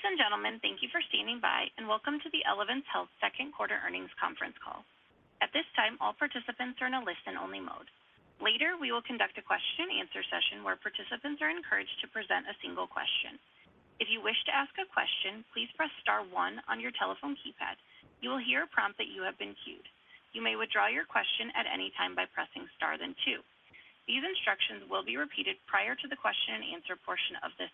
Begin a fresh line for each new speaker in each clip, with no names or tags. Ladies and gentlemen, thank you for standing by, and welcome to the Elevance Health Second Quarter Earnings Conference Call. At this time, all participants are in a listen-only mode. Later, we will conduct a question-and-answer session where participants are encouraged to present a single question. If you wish to ask a question, please press star one on your telephone keypad. You will hear a prompt that you have been queued. You may withdraw your question at any time by pressing star, then two. These instructions will be repeated prior to the question-and-answer portion of this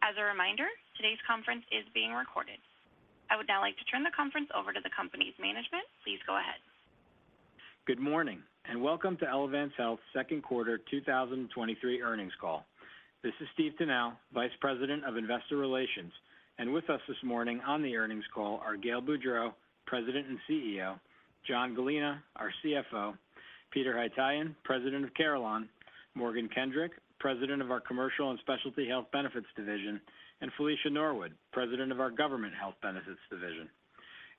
call. As a reminder, today's conference is being recorded. I would now like to turn the conference over to the company's management. Please go ahead.
Good morning. Welcome to Elevance Health's second quarter 2023 earnings call. This is Steve Tanal, Vice President of Investor Relations. With us this morning on the earnings call are Gail Boudreaux, President and CEO, John Gallina, our CFO, Peter Haytaian, President of Carelon, Morgan Kendrick, President of our Commercial and Specialty Health Benefits Division, and Felicia Norwood, President of our Government Health Benefits Division.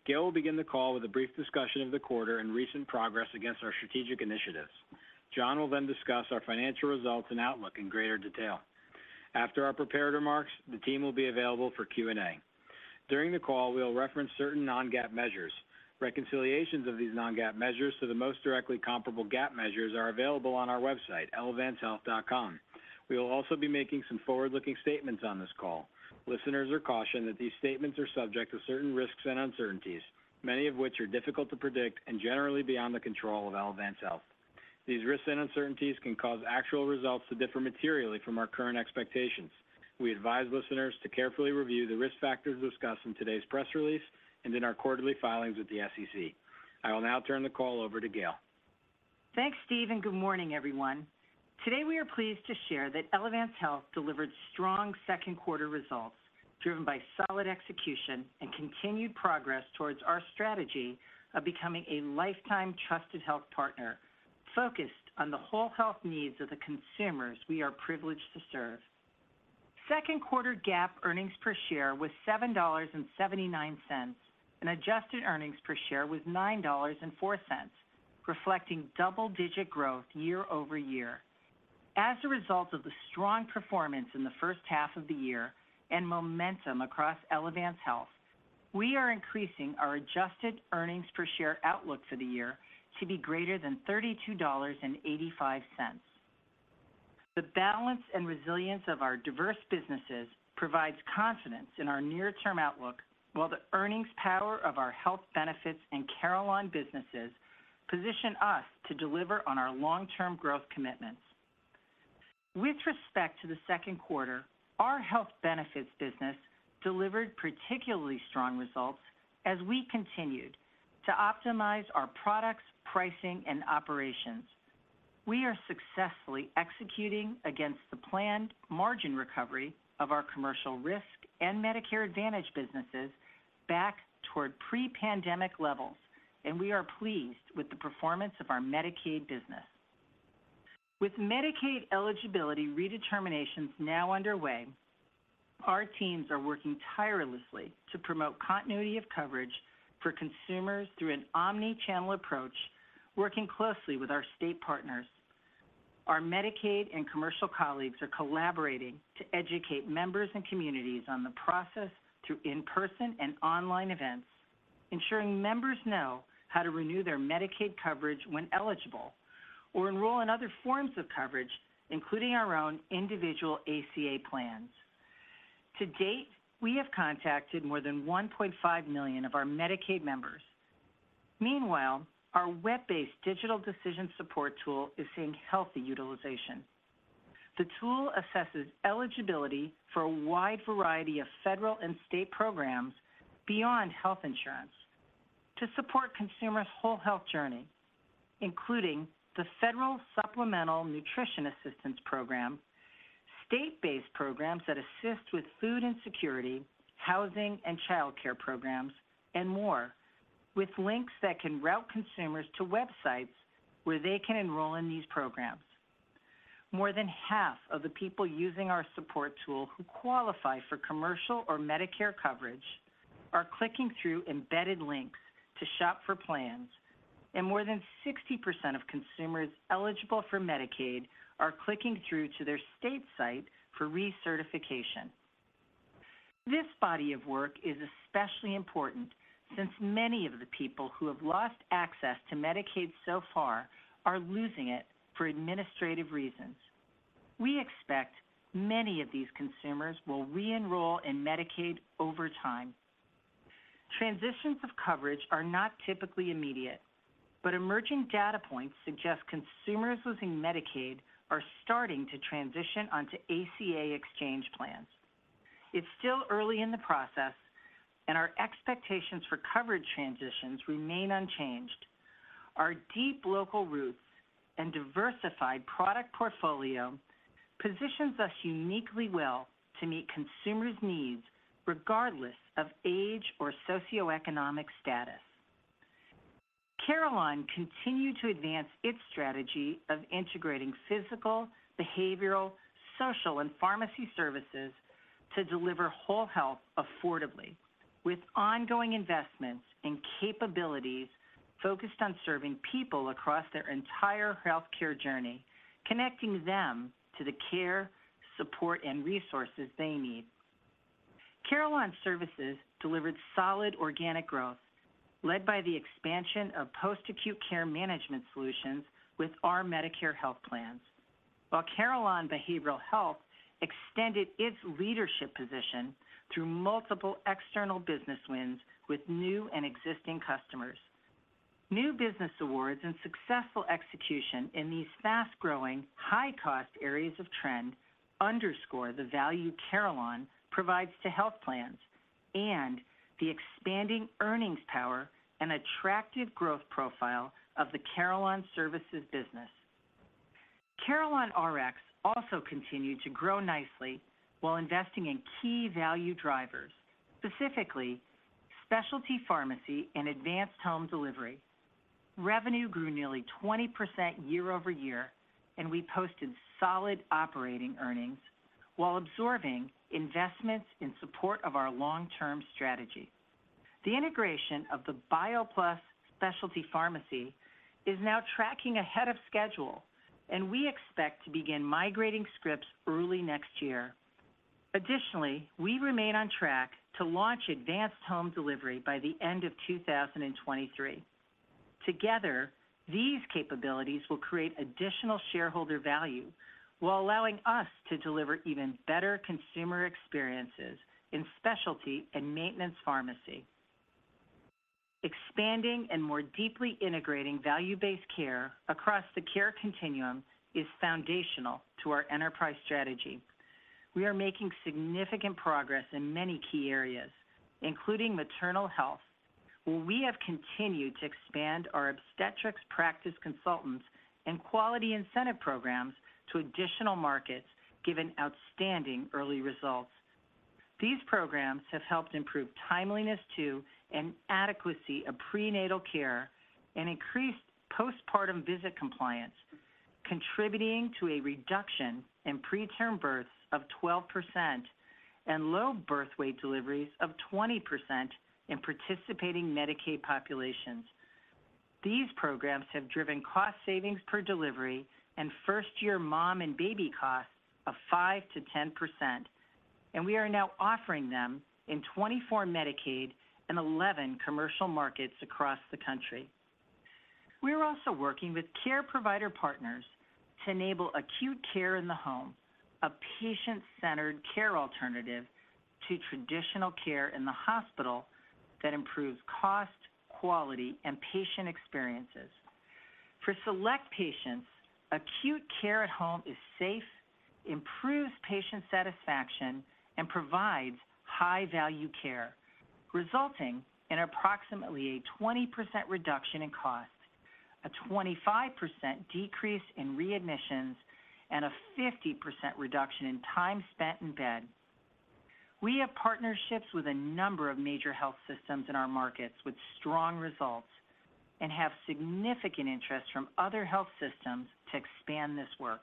Gail will begin the call with a brief discussion of the quarter and recent progress against our strategic initiatives. John will discuss our financial results and outlook in greater detail. After our prepared remarks, the team will be available for Q&A. During the call, we'll reference certain non-GAAP measures. Reconciliations of these non-GAAP measures to the most directly comparable GAAP measures are available on our website, elevancehealth.com. We will also be making some forward-looking statements on this call. Listeners are cautioned that these statements are subject to certain risks and uncertainties, many of which are difficult to predict and generally beyond the control of Elevance Health. These risks and uncertainties can cause actual results to differ materially from our current expectations. We advise listeners to carefully review the risk factors discussed in today's press release and in our quarterly filings with the SEC. I will now turn the call over to Gail.
Thanks, Steve, and good morning, everyone. Today, we are pleased to share that Elevance Health delivered strong second quarter results, driven by solid execution and continued progress towards our strategy of becoming a lifetime trusted health partner, focused on the whole health needs of the consumers we are privileged to serve. Second quarter GAAP earnings per share was $7.79, and adjusted earnings per share was $9.04, reflecting double-digit growth year-over-year. As a result of the strong performance in the first half of the year and momentum across Elevance Health, we are increasing our adjusted earnings per share outlook for the year to be greater than $32.85. The balance and resilience of our diverse businesses provides confidence in our near-term outlook, while the earnings power of our health benefits and Carelon businesses position us to deliver on our long-term growth commitments. With respect to the second quarter, our health benefits business delivered particularly strong results as we continued to optimize our products, pricing, and operations. We are successfully executing against the planned margin recovery of our commercial risk and Medicare Advantage businesses back toward pre-pandemic levels. We are pleased with the performance of our Medicaid business. With Medicaid eligibility redeterminations now underway, our teams are working tirelessly to promote continuity of coverage for consumers through an omni-channel approach, working closely with our state partners. Our Medicaid and commercial colleagues are collaborating to educate members and communities on the process through in-person and online events, ensuring members know how to renew their Medicaid coverage when eligible or enroll in other forms of coverage, including our own individual ACA plans. To date, we have contacted more than 1.5 million of our Medicaid members. Meanwhile, our web-based digital decision support tool is seeing healthy utilization. The tool assesses eligibility for a wide variety of federal and state programs beyond health insurance to support consumers' whole health journey, including the Federal Supplemental Nutrition Assistance Program, state-based programs that assist with food insecurity, housing and childcare programs, and more, with links that can route consumers to websites where they can enroll in these programs. More than half of the people using our support tool who qualify for commercial or Medicare coverage are clicking through embedded links to shop for plans. More than 60% of consumers eligible for Medicaid are clicking through to their state site for recertification. This body of work is especially important since many of the people who have lost access to Medicaid so far are losing it for administrative reasons. We expect many of these consumers will re-enroll in Medicaid over time. Transitions of coverage are not typically immediate, but emerging data points suggest consumers losing Medicaid are starting to transition onto ACA exchange plans. It's still early in the process. Our expectations for coverage transitions remain unchanged. Our deep local roots and diversified product portfolio positions us uniquely well to meet consumers' needs, regardless of age or socioeconomic status. Carelon continued to advance its strategy of integrating physical, behavioral, social, and pharmacy services to deliver whole health affordably. With ongoing investments and capabilities focused on serving people across their entire healthcare journey, connecting them to the care, support, and resources they need. Carelon Services delivered solid organic growth, led by the expansion of post-acute care management solutions with our Medicare health plans. Carelon Behavioral Health extended its leadership position through multiple external business wins with new and existing customers. New business awards and successful execution in these fast-growing, high-cost areas of trend underscore the value Carelon provides to health plans and the expanding earnings power and attractive growth profile of the Carelon Services business. CarelonRx also continued to grow nicely while investing in key value drivers, specifically specialty pharmacy and advanced home delivery. Revenue grew nearly 20% year-over-year, and we posted solid operating earnings while absorbing investments in support of our long-term strategy. The integration of the BioPlus Specialty Pharmacy is now tracking ahead of schedule, and we expect to begin migrating scripts early next year. We remain on track to launch advanced home delivery by the end of 2023. These capabilities will create additional shareholder value while allowing us to deliver even better consumer experiences in specialty and maintenance pharmacy. Expanding and more deeply integrating value-based care across the care continuum is foundational to our enterprise strategy. We are making significant progress in many key areas, including maternal health, where we have continued to expand our obstetrics practice consultants and quality incentive programs to additional markets, given outstanding early results. These programs have helped improve timeliness to and adequacy of prenatal care and increased postpartum visit compliance, contributing to a reduction in preterm births of 12% and low birth weight deliveries of 20% in participating Medicaid populations. These programs have driven cost savings per delivery and first-year mom and baby costs of 5%-10%. We are now offering them in 24 Medicaid and 11 commercial markets across the country. We are also working with care provider partners to enable acute care in the home, a patient-centered care alternative to traditional care in the hospital that improves cost, quality, and patient experiences. For select patients, acute care at home is safe, improves patient satisfaction, and provides high-value care, resulting in approximately a 20% reduction in costs, a 25% decrease in readmissions, and a 50% reduction in time spent in bed. We have partnerships with a number of major health systems in our markets with strong results and have significant interest from other health systems to expand this work.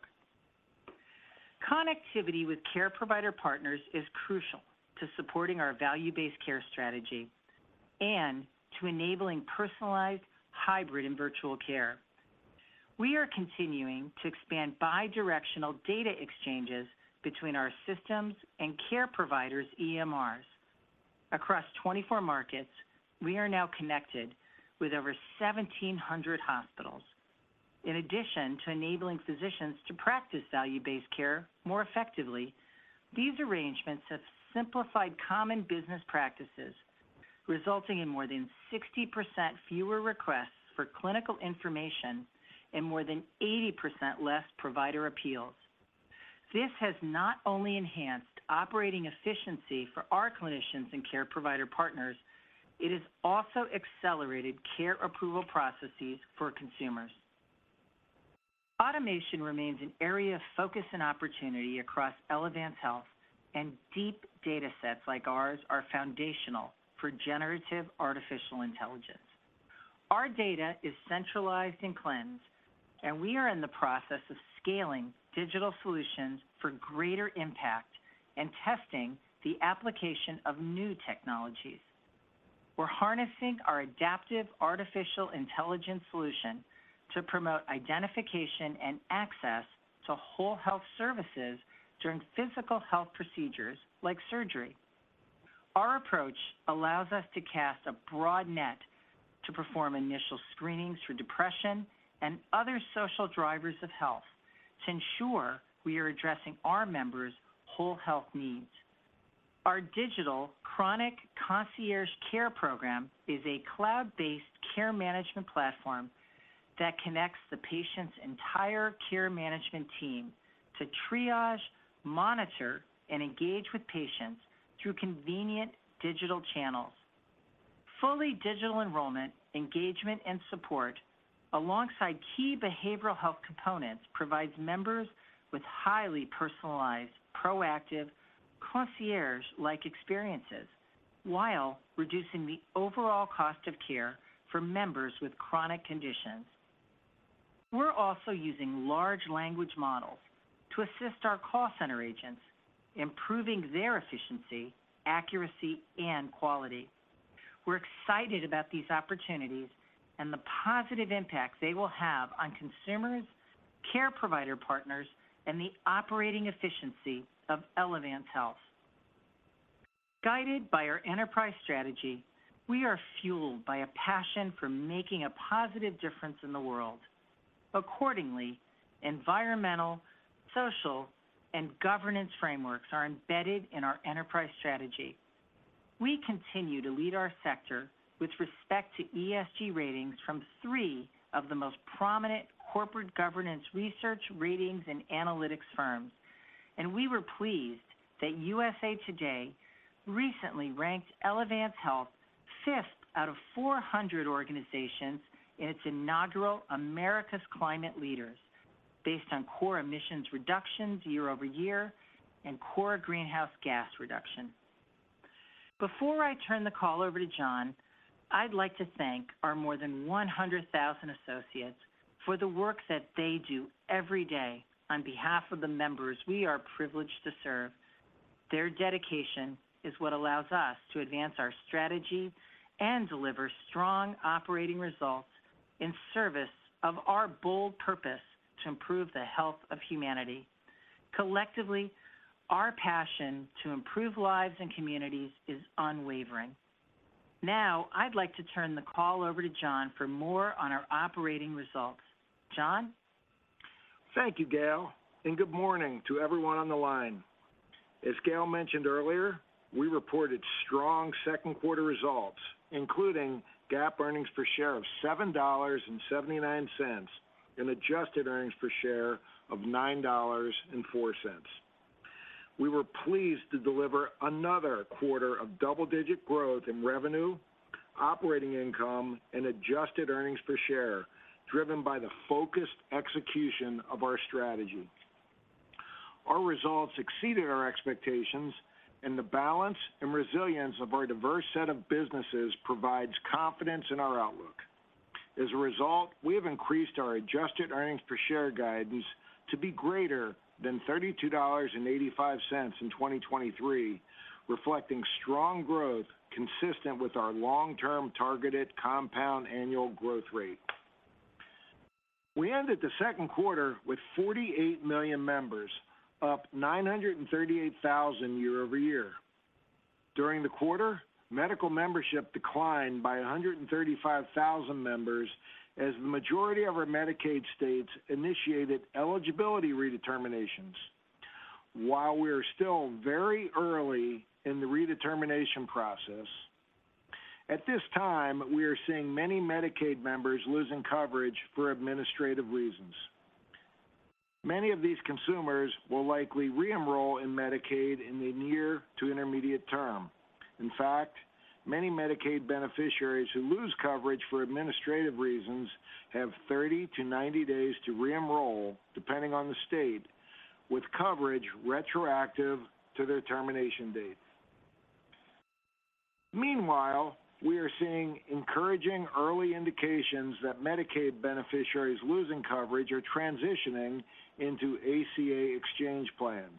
Connectivity with care provider partners is crucial to supporting our value-based care strategy and to enabling personalized, hybrid, and virtual care. We are continuing to expand bidirectional data exchanges between our systems and care providers' EMRs. Across 24 markets, we are now connected with over 1,700 hospitals. In addition to enabling physicians to practice value-based care more effectively, these arrangements have simplified common business practices, resulting in more than 60% fewer requests for clinical information and more than 80% less provider appeals. This has not only enhanced operating efficiency for our clinicians and care provider partners, it has also accelerated care approval processes for consumers. Automation remains an area of focus and opportunity across Elevance Health, and deep data sets like ours are foundational for generative artificial intelligence. Our data is centralized and cleansed, and we are in the process of scaling digital solutions for greater impact and testing the application of new technologies. We're harnessing our adaptive artificial intelligence solution to promote identification and access to whole health services during physical health procedures like surgery. Our approach allows us to cast a broad net to perform initial screenings for depression and other social drivers of health to ensure we are addressing our members' whole health needs. Our digital chronic concierge care program is a cloud-based care management platform that connects the patient's entire care management team to triage, monitor, and engage with patients through convenient digital channels. Fully digital enrollment, engagement, and support, alongside key behavioral health components, provides members with highly personalized, proactive, concierge-like experiences while reducing the overall cost of care for members with chronic conditions. We're also using large language models to assist our call center agents, improving their efficiency, accuracy, and quality. We're excited about these opportunities and the positive impact they will have on consumers, care provider partners, and the operating efficiency of Elevance Health. Guided by our enterprise strategy, we are fueled by a passion for making a positive difference in the world. Accordingly, environmental, social, and governance frameworks are embedded in our enterprise strategy. We continue to lead our sector with respect to ESG ratings from three of the most prominent corporate governance research, ratings, and analytics firms, and we were pleased that USA Today recently ranked Elevance Health fifth out of 400 organizations in its inaugural America's Climate Leaders, based on core emissions reductions year-over-year and core greenhouse gas reduction. Before I turn the call over to John, I'd like to thank our more than 100,000 associates for the work that they do every day on behalf of the members we are privileged to serve. Their dedication is what allows us to advance our strategy and deliver strong operating results in service of our bold purpose to improve the health of humanity. Collectively, our passion to improve lives and communities is unwavering. Now, I'd like to turn the call over to John for more on our operating results. John?
Thank you, Gail. Good morning to everyone on the line. As Gail mentioned earlier, we reported strong second quarter results, including GAAP earnings per share of $7.79, and adjusted earnings per share of $9.04. We were pleased to deliver another quarter of double-digit growth in revenue, operating income, and adjusted earnings per share, driven by the focused execution of our strategy. Our results exceeded our expectations. The balance and resilience of our diverse set of businesses provides confidence in our outlook. As a result, we have increased our adjusted earnings per share guidance to be greater than $32.85 in 2023, reflecting strong growth consistent with our long-term targeted compound annual growth rate. We ended the second quarter with 48 million members, up 938,000 year-over-year. During the quarter, medical membership declined by 135,000 members, as the majority of our Medicaid states initiated eligibility redeterminations. While we are still very early in the redetermination process, at this time, we are seeing many Medicaid members losing coverage for administrative reasons. Many of these consumers will likely re-enroll in Medicaid in the near to intermediate term. In fact, many Medicaid beneficiaries who lose coverage for administrative reasons have 30 days-90 days to re-enroll, depending on the state, with coverage retroactive to their termination date. Meanwhile, we are seeing encouraging early indications that Medicaid beneficiaries losing coverage are transitioning into ACA exchange plans.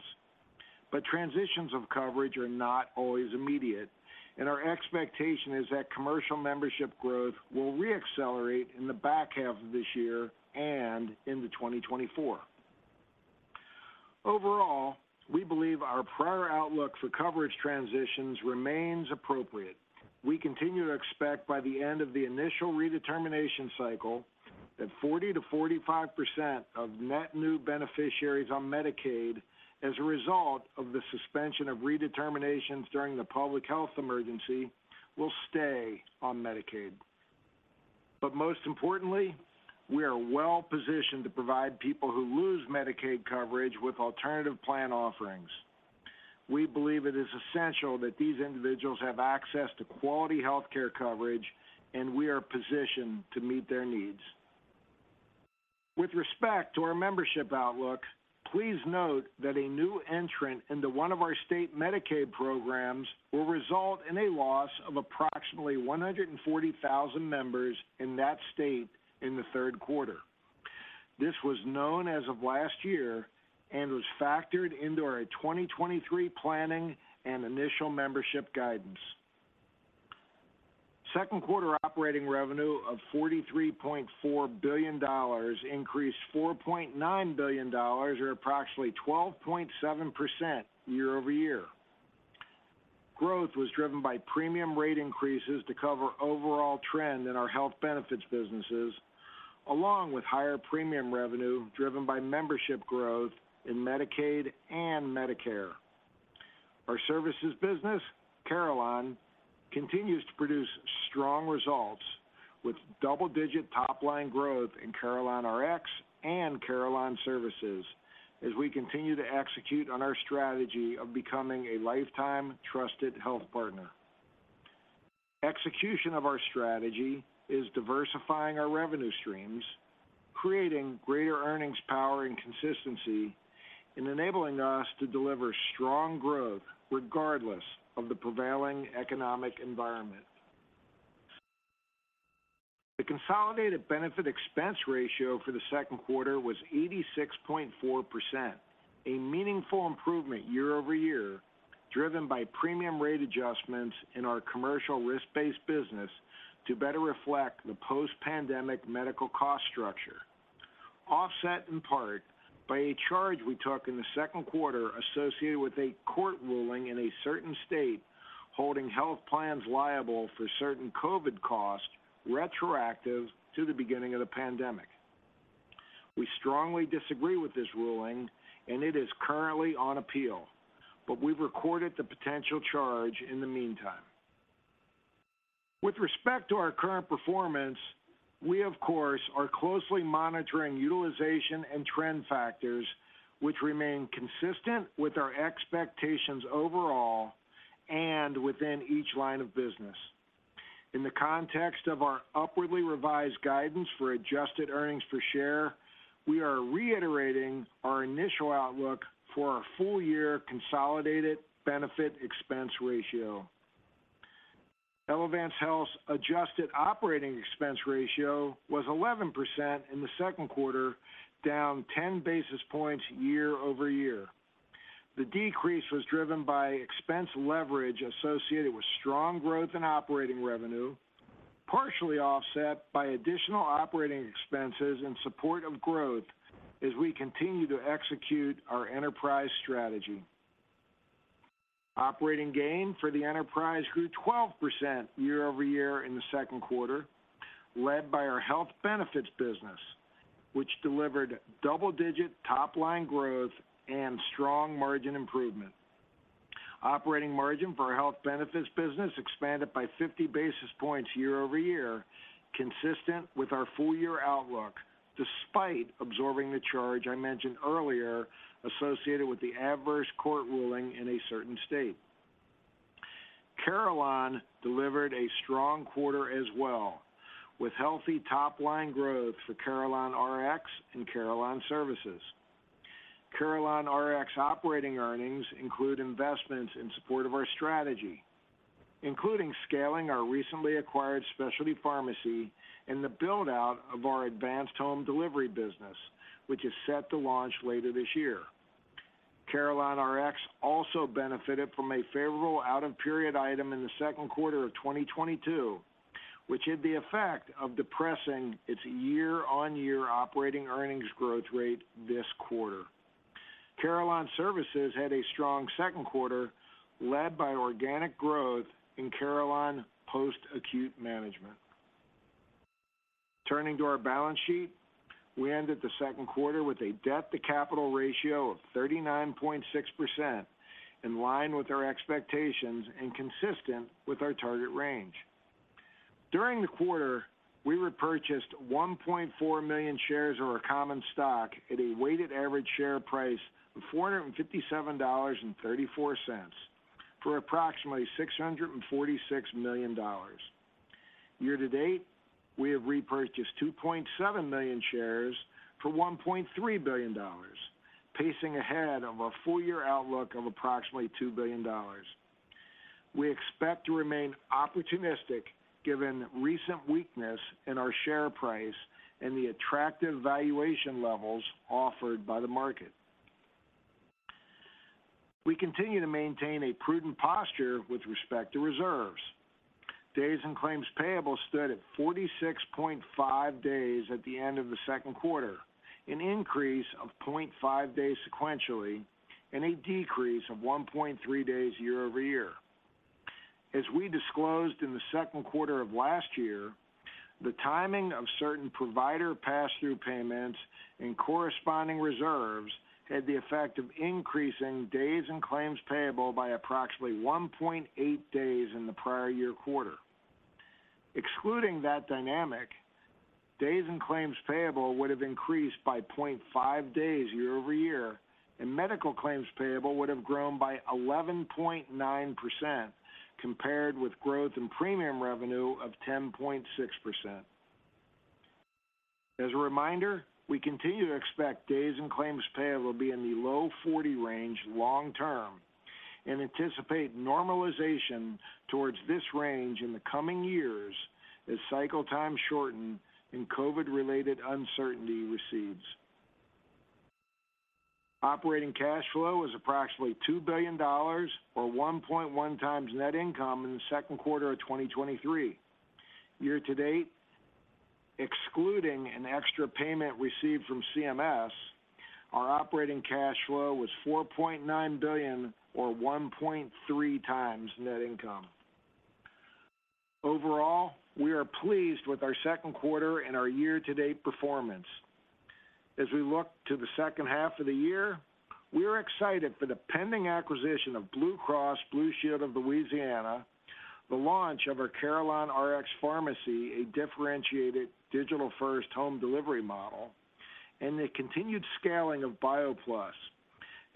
Transitions of coverage are not always immediate, and our expectation is that commercial membership growth will re-accelerate in the back half of this year and into 2024. Overall, we believe our prior outlook for coverage transitions remains appropriate. We continue to expect by the end of the initial redetermination cycle, that 40%-45% of net new beneficiaries on Medicaid as a result of the suspension of redeterminations during the public health emergency, will stay on Medicaid. Most importantly, we are well positioned to provide people who lose Medicaid coverage with alternative plan offerings. We believe it is essential that these individuals have access to quality healthcare coverage, and we are positioned to meet their needs. With respect to our membership outlook, please note that a new entrant into one of our state Medicaid programs will result in a loss of approximately 140,000 members in that state in the third quarter. This was known as of last year and was factored into our 2023 planning and initial membership guidance. Second quarter operating revenue of $43.4 billion increased $4.9 billion, or approximately 12.7% year-over-year. Growth was driven by premium rate increases to cover overall trend in our health benefits businesses, along with higher premium revenue driven by membership growth in Medicaid and Medicare. Our services business, Carelon, continues to produce strong results, with double-digit top-line growth in CarelonRx and Carelon Services as we continue to execute on our strategy of becoming a lifetime trusted health partner. Execution of our strategy is diversifying our revenue streams, creating greater earnings power and consistency, and enabling us to deliver strong growth regardless of the prevailing economic environment. The consolidated Benefit Expense Ratio for the second quarter was 86.4%, a meaningful improvement year-over-year, driven by premium rate adjustments in our commercial risk-based business to better reflect the post-pandemic medical cost structure. Offset in part by a charge we took in the second quarter associated with a court ruling in a certain state, holding health plans liable for certain COVID costs, retroactive to the beginning of the pandemic. We strongly disagree with this ruling, and it is currently on appeal, but we recorded the potential charge in the meantime. With respect to our current performance, we of course, are closely monitoring utilization and trend factors, which remain consistent with our expectations overall and within each line of business. In the context of our upwardly revised guidance for adjusted earnings per share, we are reiterating our initial outlook for our full-year consolidated Benefit Expense Ratio. Elevance Health's adjusted operating expense ratio was 11% in the second quarter, down 10 basis points year-over-year. The decrease was driven by expense leverage associated with strong growth in operating revenue, partially offset by additional operating expenses in support of growth as we continue to execute our enterprise strategy. Operating gain for the enterprise grew 12% year-over-year in the second quarter, led by our health benefits business, which delivered double-digit top-line growth and strong margin improvement. Operating margin for our health benefits business expanded by 50 basis points year-over-year, consistent with our full-year outlook, despite absorbing the charge I mentioned earlier, associated with the adverse court ruling in a certain state. Carelon delivered a strong quarter as well, with healthy top-line growth for CarelonRx and Carelon Services. CarelonRx operating earnings include investments in support of our strategy, including scaling our recently acquired specialty pharmacy and the build-out of our advanced home delivery business, which is set to launch later this year. CarelonRx also benefited from a favorable out-of-period item in the second quarter of 2022, which had the effect of depressing its year-over-year operating earnings growth rate this quarter. Carelon Services had a strong second quarter, led by organic growth in Carelon Post-Acute Management. Turning to our balance sheet, we ended the second quarter with a debt-to-capital ratio of 39.6%, in line with our expectations and consistent with our target range. During the quarter, we repurchased 1.4 million shares of our common stock at a weighted average share price of $457.34, for approximately $646 million. Year to date, we have repurchased 2.7 million shares for $1.3 billion, pacing ahead of a full-year outlook of approximately $2 billion. We expect to remain opportunistic given recent weakness in our share price and the attractive valuation levels offered by the market. We continue to maintain a prudent posture with respect to reserves. Days in claims payable stood at 46.5 days at the end of the second quarter, an increase of 0.5 days sequentially, and a decrease of 1.3 days year-over-year. As we disclosed in the second quarter of last year, the timing of certain provider pass-through payments and corresponding reserves, had the effect of increasing days in claims payable by approximately 1.8 days in the prior year quarter. Excluding that dynamic, days in claims payable would have increased by 0.5 days year-over-year, and medical claims payable would have grown by 11.9%, compared with growth in premium revenue of 10.6%. As a reminder, we continue to expect days in claims payable will be in the low 40 range long term, and anticipate normalization towards this range in the coming years as cycle time shorten and COVID-related uncertainty recedes. Operating cash flow was approximately $2 billion, or 1.1x net income in the second quarter of 2023. Year to date, excluding an extra payment received from CMS, our operating cash flow was $4.9 billion or 1.3x net income. Overall, we are pleased with our second quarter and our year-to-date performance. As we look to the second half of the year, we are excited for the pending acquisition of Blue Cross and Blue Shield of Louisiana, the launch of our CarelonRx pharmacy, a differentiated digital-first home delivery model, and the continued scaling of BioPlus,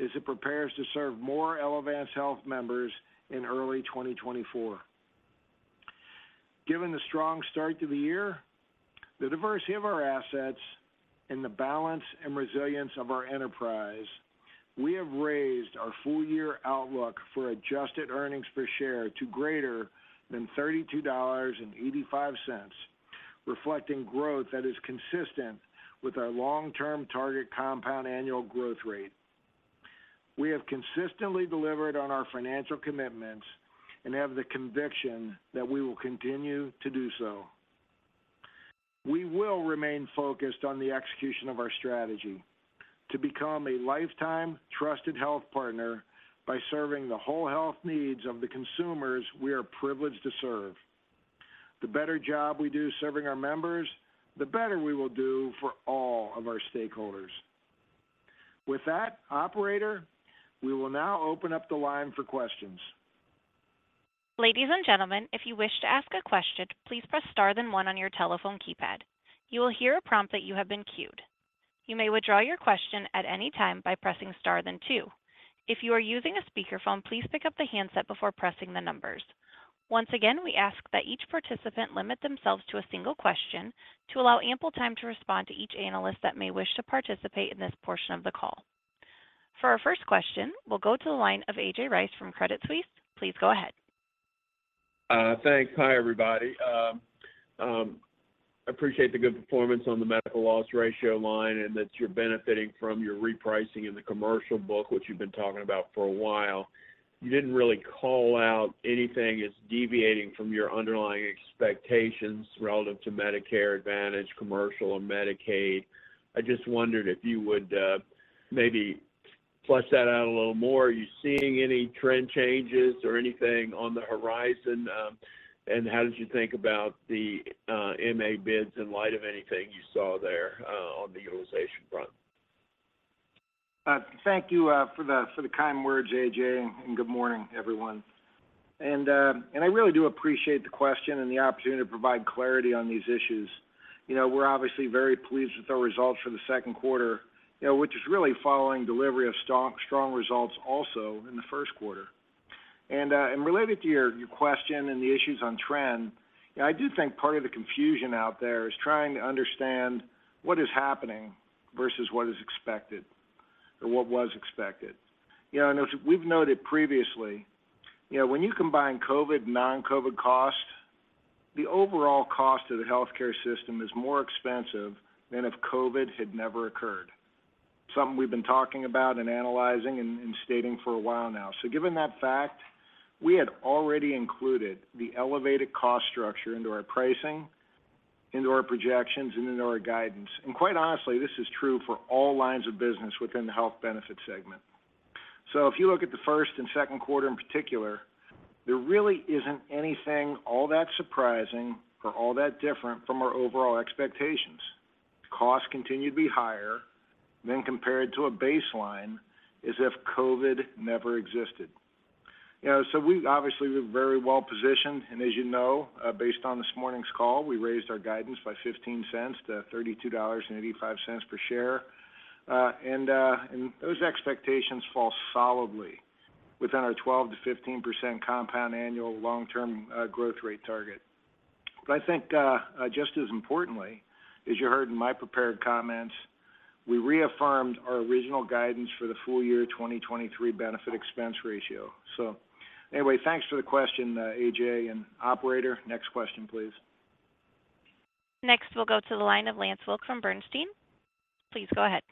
as it prepares to serve more Elevance Health members in early 2024. Given the strong start to the year, the diversity of our assets and the balance and resilience of our enterprise, we have raised our full year outlook for adjusted earnings per share to greater than $32.85, reflecting growth that is consistent with our long-term target compound annual growth rate. We have consistently delivered on our financial commitments and have the conviction that we will continue to do so. We will remain focused on the execution of our strategy to become a lifetime trusted health partner by serving the whole health needs of the consumers we are privileged to serve. The better job we do serving our members, the better we will do for all of our stakeholders. With that, operator, we will now open up the line for questions.
Ladies and gentlemen, if you wish to ask a question, please press star then one on your telephone keypad. You will hear a prompt that you have been queued. You may withdraw your question at any time by pressing star then two. If you are using a speakerphone, please pick up the handset before pressing the numbers. Once again, we ask that each participant limit themselves to a single question to allow ample time to respond to each analyst that may wish to participate in this portion of the call. For our first question, we'll go to the line of A.J. Rice from Credit Suisse. Please go ahead.
Thanks. Hi, everybody. I appreciate the good performance on the Medical Loss Ratio line, and that you're benefiting from your repricing in the Commercial book, which you've been talking about for a while. You didn't really call out anything that's deviating from your underlying expectations relative to Medicare Advantage, Commercial, or Medicaid. I just wondered if you would maybe flush that out a little more. Are you seeing any trend changes or anything on the horizon? How did you think about the MA bids in light of anything you saw there on the utilization front?
Thank you for the kind words, AJ, good morning, everyone. I really do appreciate the question and the opportunity to provide clarity on these issues. You know, we're obviously very pleased with our results for the second quarter, which is really following delivery of strong results also in the first quarter. Related to your question and the issues on trend, I do think part of the confusion out there is trying to understand what is happening versus what is expected or what was expected. You know, as we've noted previously, you know, when you combine COVID and non-COVID costs, the overall cost of the healthcare system is more expensive than if COVID had never occurred. Something we've been talking about and analyzing and stating for a while now. Given that fact, we had already included the elevated cost structure into our pricing, into our projections, and into our guidance. Quite honestly, this is true for all lines of business within the health benefit segment. If you look at the first and second quarter in particular, there really isn't anything all that surprising or all that different from our overall expectations. Costs continue to be higher than compared to a baseline as if COVID never existed. You know, obviously, we're very well positioned, and as you know, based on this morning's call, we raised our guidance by $0.15-$32.85 per share. And those expectations fall solidly within our 12%-15% compound annual long-term growth rate target. Just as importantly, as you heard in my prepared comments, we reaffirmed our original guidance for the full year 2023 Benefit Expense Ratio. Thanks for the question, AJ, and operator, next question, please.
Next, we'll go to the line of Lance Wilkes from Bernstein. Please go ahead.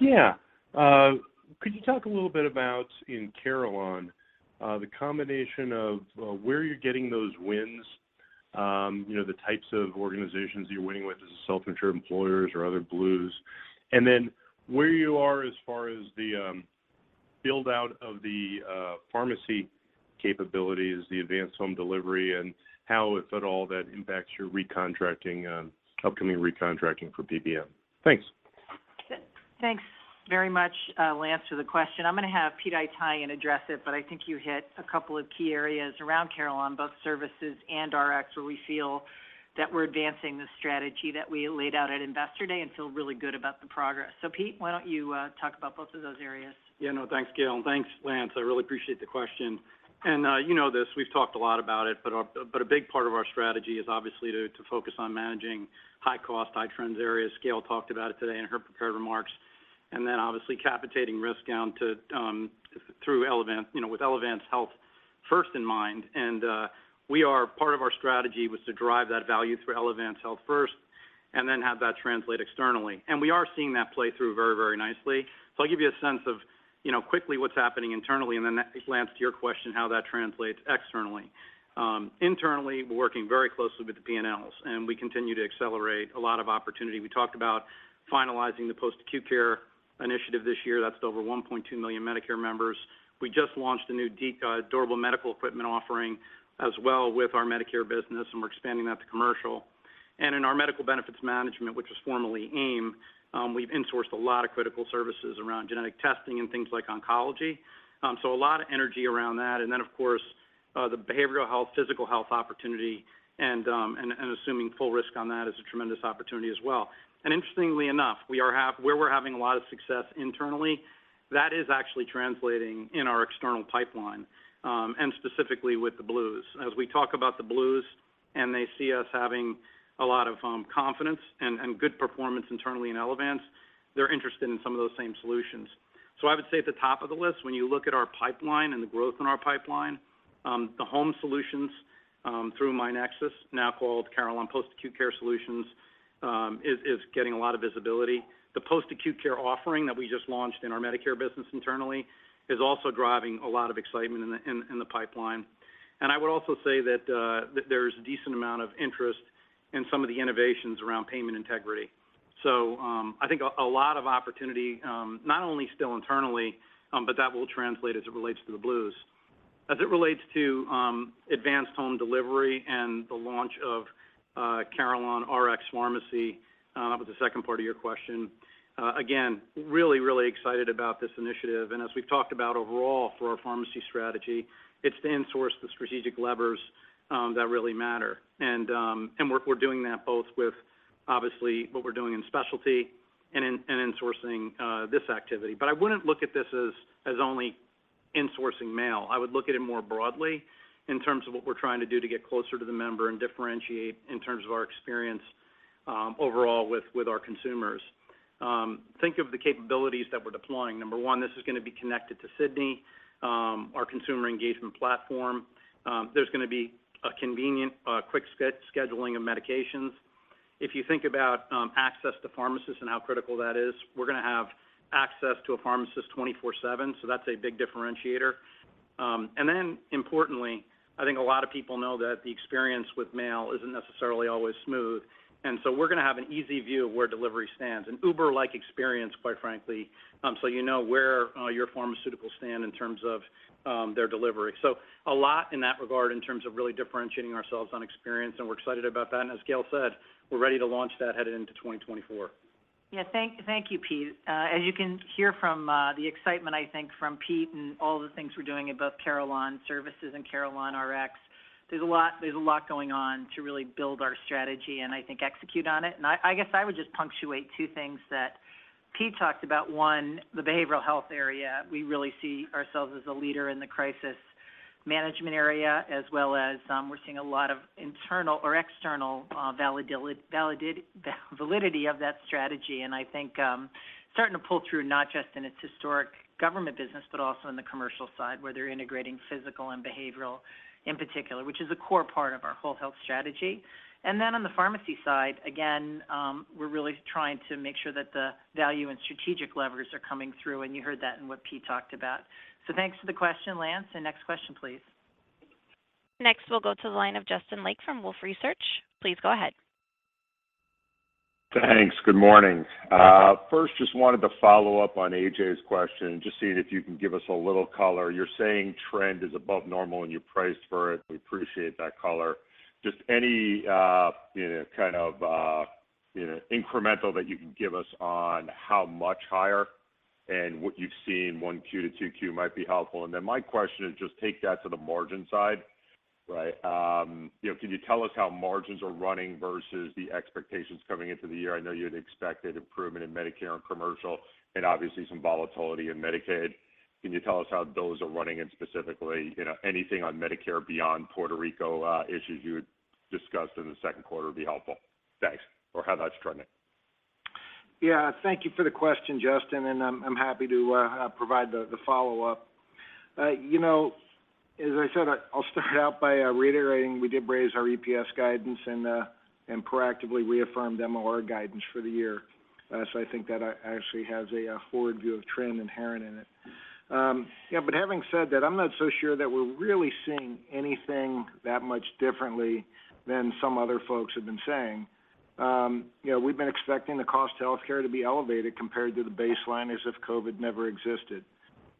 Yeah. Could you talk a little bit about in Carelon, the combination of where you're getting those wins, you know, the types of organizations you're winning with, is it self-insured employers or other Blues? Where you are as far as the build-out of the pharmacy capabilities, the advanced home delivery, and how, if at all, that impacts your recontracting, upcoming recontracting for PBM? Thanks.
Thanks very much, Lance, for the question. I'm going to have Pete Haytaian address it, but I think you hit a couple of key areas around Carelon, both services and RX, where we feel that we're advancing the strategy that we laid out at Investor Day and feel really good about the progress. Pete, why don't you, talk about both of those areas?
Yeah, no, thanks, Gail. Thanks, Lance. I really appreciate the question. You know this, we've talked a lot about it, but a big part of our strategy is obviously to focus on managing high cost, high trends areas. Gail talked about it today in her prepared remarks, and then obviously capitating risk down to, through Elevance, you know, with Elevance Health First in mind. Part of our strategy was to drive that value through Elevance Health First and then have that translate externally. We are seeing that play through very, very nicely. I'll give you a sense of, you know, quickly what's happening internally, and then, Lance, to your question, how that translates externally. Internally, we're working very closely with the P&Ls. We continue to accelerate a lot of opportunity. We talked about finalizing the post-acute care initiative this year. That's over 1.2 million Medicare members. We just launched a new Durable Medical Equipment offering as well with our Medicare business, and we're expanding that to commercial. In our medical benefits management, which was formerly AIM, we've insourced a lot of critical services around genetic testing and things like oncology. So a lot of energy around that. Then, of course, the behavioral health, physical health opportunity, and assuming full risk on that is a tremendous opportunity as well. Interestingly enough, where we're having a lot of success internally, that is actually translating in our external pipeline, and specifically with the Blues. As we talk about the Blues.... and they see us having a lot of confidence and good performance internally in Elevance Health, they're interested in some of those same solutions. I would say at the top of the list, when you look at our pipeline and the growth in our pipeline, the home solutions through myNEXUS, now called Carelon Post-Acute Solutions, is getting a lot of visibility. The post-acute care offering that we just launched in our Medicare business internally, is also driving a lot of excitement in the pipeline. I would also say that there's a decent amount of interest in some of the innovations around payment integrity. I think a lot of opportunity not only still internally, but that will translate as it relates to the Blues. As it relates to advanced home delivery and the launch of CarelonRx Pharmacy, with the second part of your question, again, really, really excited about this initiative. As we've talked about overall for our pharmacy strategy, it's to insource the strategic levers that really matter. We're doing that both with, obviously, what we're doing in specialty and insourcing this activity. I wouldn't look at this as only insourcing mail. I would look at it more broadly in terms of what we're trying to do to get closer to the member and differentiate in terms of our experience overall with our consumers. Think of the capabilities that we're deploying. Number one, this is gonna be connected to Sydney, our consumer engagement platform. There's gonna be a convenient, quick scheduling of medications. If you think about access to pharmacists and how critical that is, we're gonna have access to a pharmacist 24/7, so that's a big differentiator. Importantly, I think a lot of people know that the experience with mail isn't necessarily always smooth, we're gonna have an easy view of where delivery stands. An Uber-like experience, quite frankly, so you know where your pharmaceuticals stand in terms of their delivery. A lot in that regard, in terms of really differentiating ourselves on experience, and we're excited about that. As Gail said, we're ready to launch that headed into 2024.
Yeah, thank you, Pete. As you can hear from the excitement, I think from Pete and all the things we're doing in both Carelon Services and CarelonRx, there's a lot going on to really build our strategy, and I think execute on it. I guess I would just punctuate two things that Pete talked about. One, the behavioral health area, we really see ourselves as a leader in the crisis management area, as well as, we're seeing a lot of internal or external validity of that strategy. I think, starting to pull through not just in its historic government business, but also in the commercial side, where they're integrating physical and behavioral in particular, which is a core part of our whole health strategy. On the pharmacy side, again, we're really trying to make sure that the value and strategic levers are coming through, and you heard that in what Pete talked about. Thanks for the question, Lance. Next question, please.
Next, we'll go to the line of Justin Lake from Wolfe Research. Please go ahead.
Thanks. Good morning.
Good morning.
First, just wanted to follow up on A.J.'s question, just seeing if you can give us a little color. You're saying trend is above normal, and you priced for it. We appreciate that color. Just any, you know, kind of, you know, incremental that you can give us on how much higher and what you've seen, 1Q to 2Q might be helpful. My question is just take that to the margin side, right? You know, can you tell us how margins are running versus the expectations coming into the year? I know you had expected improvement in Medicare and commercial, and obviously some volatility in Medicaid. Can you tell us how those are running, and specifically, you know, anything on Medicare beyond Puerto Rico issues you had discussed in the second quarter would be helpful. Thanks. How that's trending.
Thank you for the question, Justin, and I'm happy to provide the follow-up. You know, as I said, I'll start out by reiterating, we did raise our EPS guidance and proactively reaffirmed MLR guidance for the year. I think that actually has a forward view of trend inherent in it. Having said that, I'm not so sure that we're really seeing anything that much differently than some other folks have been saying. You know, we've been expecting the cost of healthcare to be elevated compared to the baseline, as if COVID never existed.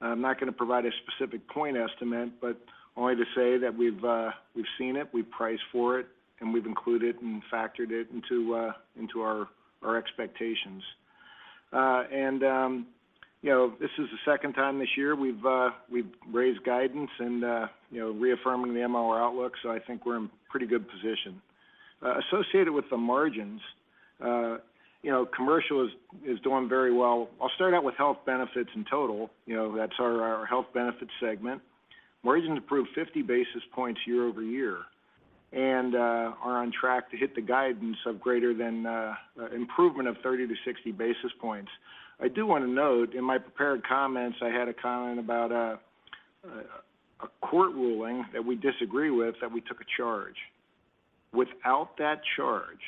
I'm not gonna provide a specific point estimate, but only to say that we've seen it, we've priced for it, and we've included and factored it into our expectations. You know, this is the second time this year we've raised guidance and, you know, reaffirming the MLR outlook. I think we're in pretty good position. Associated with the margins, you know, commercial is doing very well. I'll start out with health benefits in total. You know, that's our health benefits segment. Margins improved 50 basis points year-over-year, are on track to hit the guidance of greater than improvement of 30 basis points-60 basis points. I do want to note in my prepared comments, I had a comment about a court ruling that we disagree with, that we took a charge. Without that charge,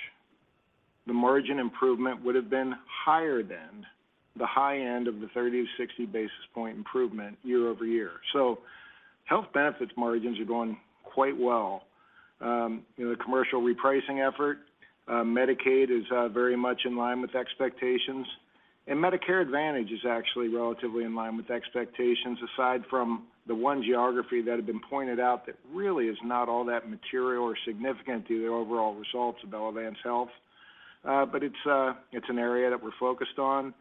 the margin improvement would have been higher than the high end of the 30 basis points-60 basis point improvement year-over-year. Health benefits margins are going quite well. In the commercial repricing effort, Medicaid is very much in line with expectations, and Medicare Advantage is actually relatively in line with expectations, aside from the one geography that have been pointed out, that really is not all that material or significant to the overall results of Elevance Health. It's an area that we're focused on,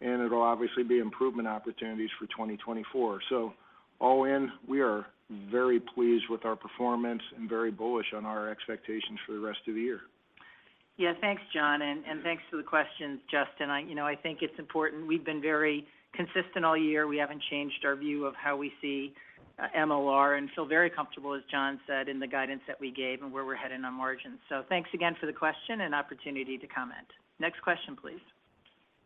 and it'll obviously be improvement opportunities for 2024. All in, we are very pleased with our performance and very bullish on our expectations for the rest of the year....
Yeah, thanks, John, and thanks for the questions, Justin. you know, I think it's important. We've been very consistent all year. We haven't changed our view of how we see MLR and feel very comfortable, as John said, in the guidance that we gave and where we're headed on margins. Thanks again for the question and opportunity to comment. Next question, please.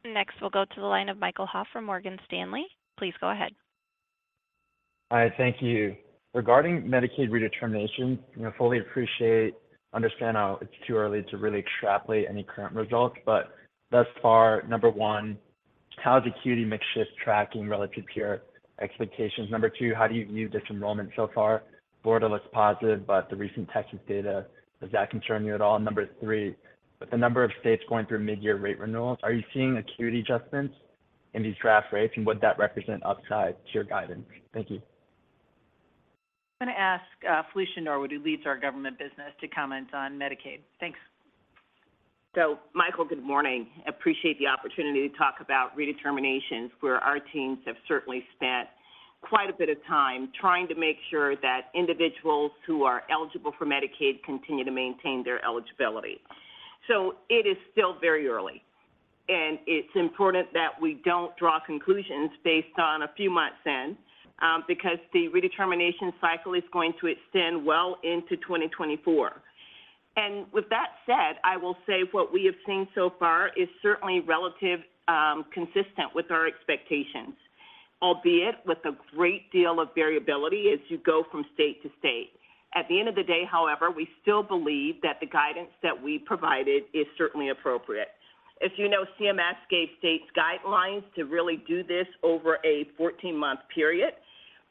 Next, we'll go to the line of Michael Turrin from Morgan Stanley. Please go ahead.
Hi, thank you. Regarding Medicaid redetermination, you know, fully appreciate, understand how it's too early to really extrapolate any current results. Thus far, number one, how's acuity mix shift tracking relative to your expectations? Number two, how do you view this enrollment so far? Border looks positive, but the recent Texas data, does that concern you at all? Number three, with the number of states going through mid-year rate renewals, are you seeing acuity adjustments in these draft rates, and would that represent upside to your guidance? Thank you.
I'm going to ask Felicia Norwood, who leads our government business, to comment on Medicaid. Thanks.
Michael, good morning. Appreciate the opportunity to talk about redeterminations, where our teams have certainly spent quite a bit of time trying to make sure that individuals who are eligible for Medicaid continue to maintain their eligibility. It is still very early, and it's important that we don't draw conclusions based on a few months in because the redetermination cycle is going to extend well into 2024. With that said, I will say what we have seen so far is certainly relative, consistent with our expectations, albeit with a great deal of variability as you go from state to state. At the end of the day, however, we still believe that the guidance that we provided is certainly appropriate. As you know, CMS gave states guidelines to really do this over a 14-month period,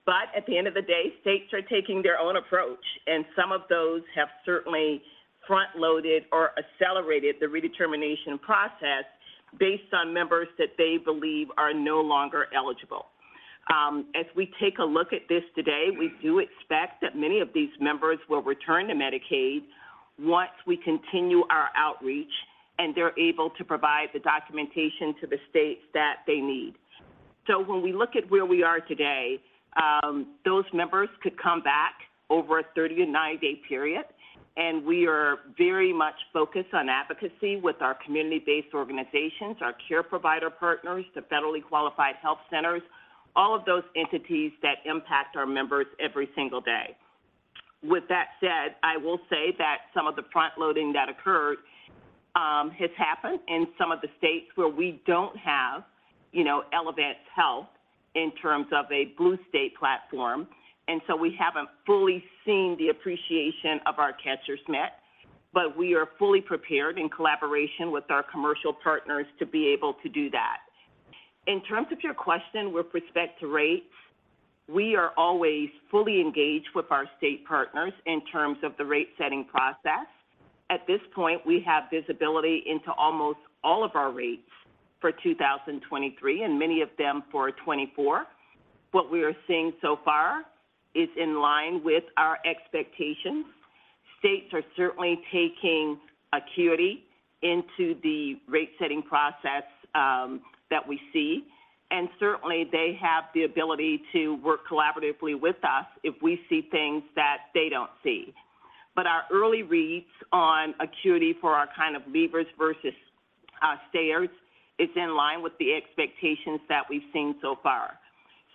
but at the end of the day, states are taking their own approach, and some of those have certainly front-loaded or accelerated the redetermination process based on members that they believe are no longer eligible. As we take a look at this today, we do expect that many of these members will return to Medicaid once we continue our outreach and they're able to provide the documentation to the states that they need. When we look at where we are today, those members could come back over a 30 day-90 day period, and we are very much focused on advocacy with our community-based organizations, our care provider partners, the federally qualified health centers, all of those entities that impact our members every single day. With that said, I will say that some of the front loading that occurred has happened in some of the states where we don't have, you know, Elevance Health in terms of a Blue state platform, and so we haven't fully seen the appreciation of our catcher's mitt, but we are fully prepared in collaboration with our commercial partners to be able to do that. In terms of your question with respect to rates, we are always fully engaged with our state partners in terms of the rate-setting process. At this point, we have visibility into almost all of our rates for 2023, and many of them for 2024. What we are seeing so far is in line with our expectations. States are certainly taking acuity into the rate-setting process, that we see, and certainly they have the ability to work collaboratively with us if we see things that they don't see. Our early reads on acuity for our kind of leavers versus, stayers is in line with the expectations that we've seen so far.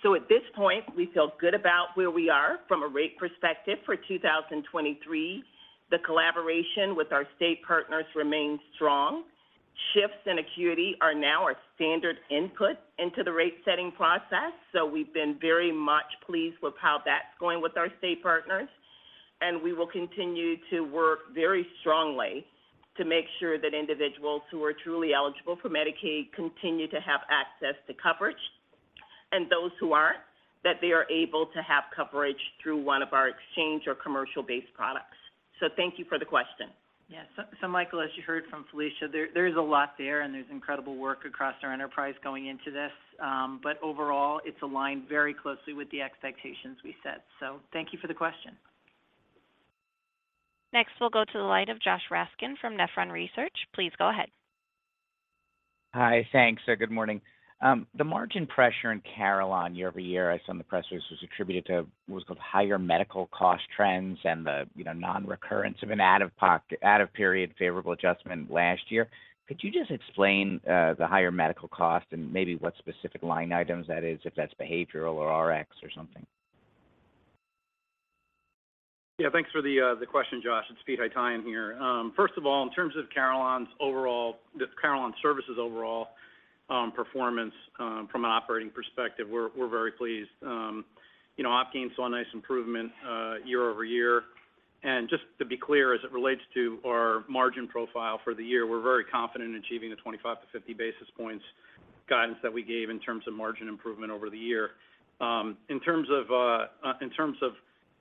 At this point, we feel good about where we are from a rate perspective for 2023. The collaboration with our state partners remains strong. Shifts in acuity are now our standard input into the rate-setting process, so we've been very much pleased with how that's going with our state partners, and we will continue to work very strongly to make sure that individuals who are truly eligible for Medicaid continue to have access to coverage, and those who aren't, that they are able to have coverage through one of our exchange or commercial-based products. Thank you for the question.
Yeah. Michael, as you heard from Felicia, there is a lot there's incredible work across our enterprise going into this, overall, it's aligned very closely with the expectations we set. Thank you for the question.
We'll go to the line of Josh Raskin from Nephron Research. Please go ahead.
Hi, thanks. Good morning. The margin pressure in Carelon year-over-year, I saw in the press release, was attributed to what's called higher medical cost trends and the, you know, non-recurrence of an out-of-period favorable adjustment last year. Could you just explain, the higher medical cost and maybe what specific line items that is, if that's behavioral or RX or something?
Yeah, thanks for the question, Josh. It's Peter Haytaian here. First of all, in terms of Carelon's overall, just Carelon Services' overall performance, from an operating perspective, we're very pleased. You know, Optum saw a nice improvement year-over-year. Just to be clear, as it relates to our margin profile for the year, we're very confident in achieving the 25 basis points-50 basis points guidance that we gave in terms of margin improvement over the year. In terms of, in terms of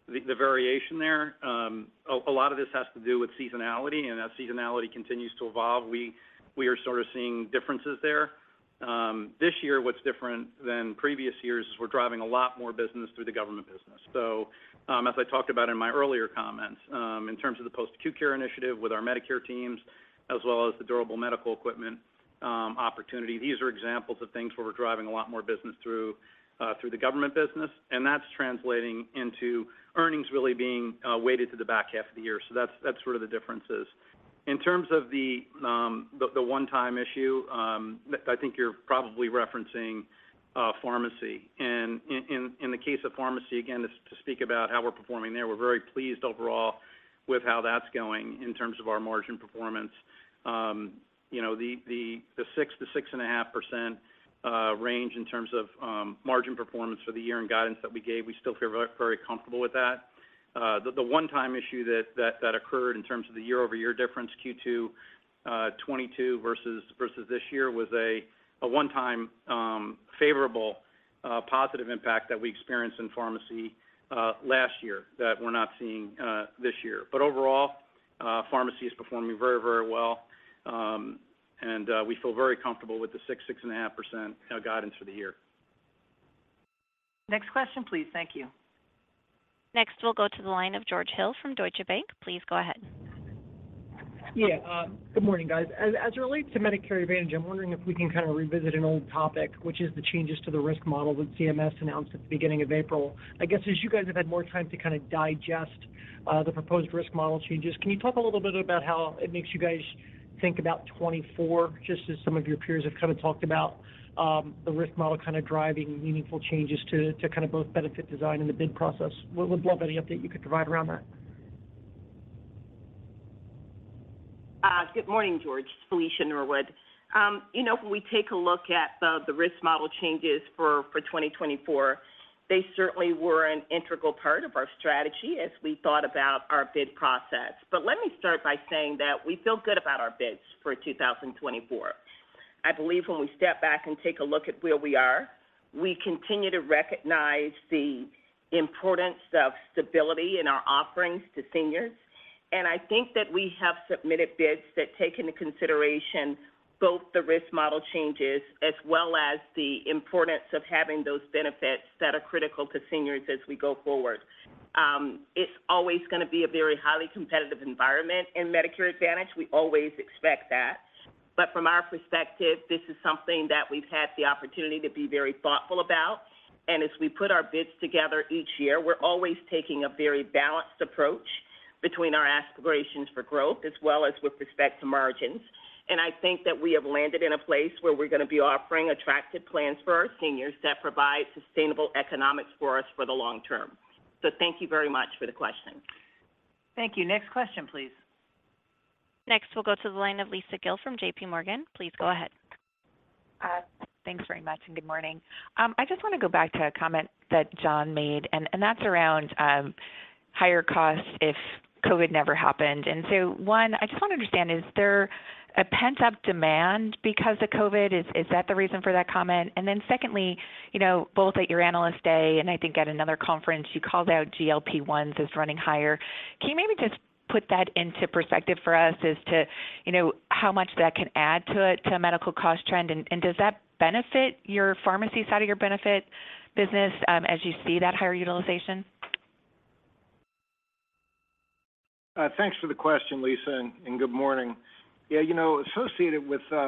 the variation there, a lot of this has to do with seasonality, and that seasonality continues to evolve. We, we are sort of seeing differences there. This year, what's different than previous years is we're driving a lot more business through the government business. As I talked about in my earlier comments, in terms of the post-acute care initiative with our Medicare teams, as well as the Durable Medical Equipment.... opportunity. These are examples of things where we're driving a lot more business through the government business, and that's translating into earnings really being weighted to the back half of the year. That's where the difference is. In terms of the one-time issue, I think you're probably referencing pharmacy. In the case of pharmacy, again, to speak about how we're performing there, we're very pleased overall with how that's going in terms of our margin performance. You know, the 6%-6.5% range in terms of margin performance for the year and guidance that we gave, we still feel very comfortable with that. The one-time issue that occurred in terms of the year-over-year difference, Q2 2022 versus this year, was a one-time favorable positive impact that we experienced in pharmacy last year that we're not seeing this year. Overall, pharmacy is performing very well, and we feel very comfortable with the 6.5% guidance for the year.
Next question, please. Thank you.
Next, we'll go to the line of George Hill from Deutsche Bank. Please go ahead.
Good morning, guys. As it relates to Medicare Advantage, I'm wondering if we can kind of revisit an old topic, which is the changes to the risk model that CMS announced at the beginning of April. I guess, as you guys have had more time to kind of digest the proposed risk model changes, can you talk a little bit about how it makes you guys think about 2024, just as some of your peers have kind of talked about the risk model kind of driving meaningful changes to kind of both benefit design and the bid process? We would love any update you could provide around that.
Good morning, George. It's Felicia Norwood. You know, when we take a look at the risk model changes for 2024, they certainly were an integral part of our strategy as we thought about our bid process. Let me start by saying that we feel good about our bids for 2024. I believe when we step back and take a look at where we are, we continue to recognize the importance of stability in our offerings to seniors. I think that we have submitted bids that take into consideration both the risk model changes as well as the importance of having those benefits that are critical to seniors as we go forward. It's always going to be a very highly competitive environment in Medicare Advantage. We always expect that. From our perspective, this is something that we've had the opportunity to be very thoughtful about. As we put our bids together each year, we're always taking a very balanced approach between our aspirations for growth as well as with respect to margins. I think that we have landed in a place where we're going to be offering attractive plans for our seniors that provide sustainable economics for us for the long term. Thank you very much for the question.
Thank you. Next question, please.
Next, we'll go to the line of Lisa Gill from JPMorgan. Please go ahead.
Thanks very much, and good morning. I just want to go back to a comment that John made, and that's around higher costs if COVID never happened. One, I just want to understand, is there a pent-up demand because of COVID? Is that the reason for that comment? Secondly, you know, both at your Analyst Day and I think at another conference, you called out GLP-1s as running higher. Can you maybe just put that into perspective for us as to, you know, how much that can add to a medical cost trend? Does that benefit your pharmacy side of your benefit business, as you see that higher utilization?
Thanks for the question, Lisa, good morning. You know, associated with, you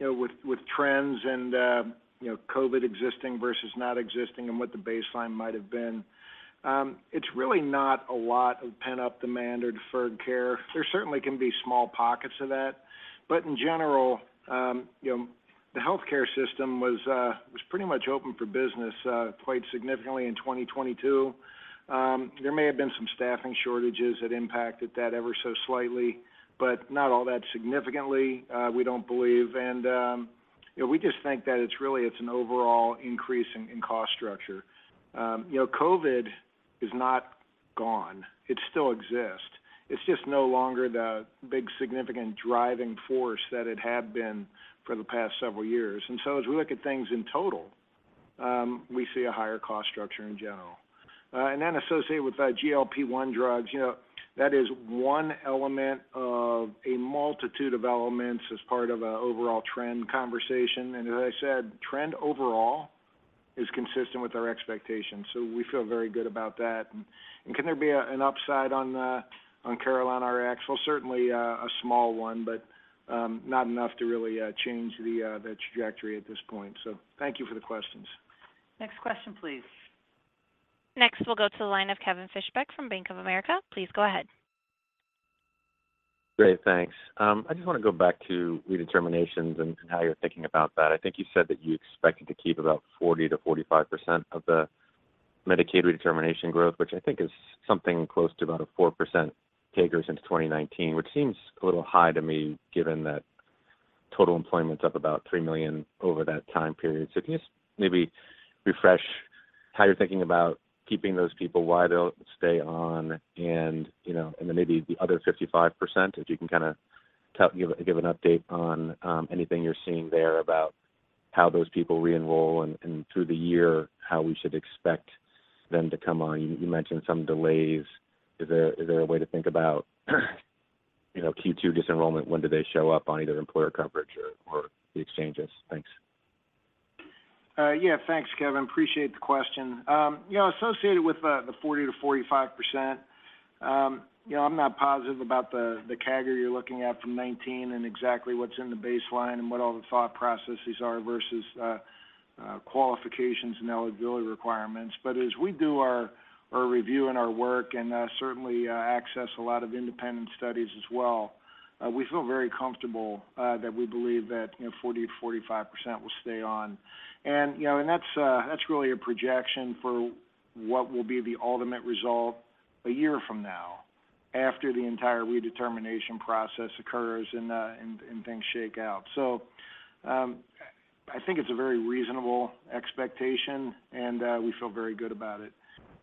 know, with trends, you know, COVID existing versus not existing and what the baseline might have been, it's really not a lot of pent-up demand or deferred care. There certainly can be small pockets of that, but in general, you know, the healthcare system was pretty much open for business quite significantly in 2022. There may have been some staffing shortages that impacted that ever so slightly, but not all that significantly, we don't believe. We just think that it's really, it's an overall increase in cost structure. You know, COVID is not gone. It still exists. It's just no longer the big, significant driving force that it had been for the past several years. As we look at things in total, we see a higher cost structure in general. Associated with the GLP-1 drugs, you know, that is one element of a multitude of elements as part of an overall trend conversation. As I said, trend overall is consistent with our expectations, we feel very good about that. Can there be an upside on CarelonRx? Well, certainly, a small one, but not enough to really change the trajectory at this point. Thank you for the questions.
Next question, please.
Next, we'll go to the line of Kevin Fischbeck from Bank of America. Please go ahead.
Great, thanks. I just want to go back to redeterminations and how you're thinking about that. I think you said that you expected to keep about 40%-45% of the Medicaid redetermination growth, which I think is something close to about a 4% takers into 2019, which seems a little high to me, given that total employment is up about 3 million over that time period. Can you just maybe refresh how you're thinking about keeping those people, why they'll stay on, and, you know, then maybe the other 55%, if you can kind of give an update on anything you're seeing there about how those people re-enroll and through the year, how we should expect them to come on? You mentioned some delays. Is there a way to think about, you know, Q2 disenrollment? When do they show up on either employer coverage or the exchanges? Thanks.
Yeah, thanks, Kevin. Appreciate the question. you know, associated with the 40%-45%, you know, I'm not positive about the CAGR you're looking at from 2019 and exactly what's in the baseline and what all the thought processes are versus qualifications and eligibility requirements. As we do our review and our work and certainly access a lot of independent studies as well, we feel very comfortable that we believe that, you know, 40%-45% will stay on. you know, and that's really a projection for what will be the ultimate result a year from now, after the entire redetermination process occurs and things shake out. I think it's a very reasonable expectation, and we feel very good about it.